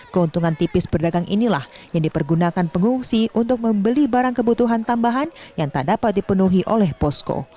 keuntungan tipis berdagang inilah yang dipergunakan pengungsi untuk membeli barang kebutuhan tambahan yang tak dapat dipenuhi oleh posko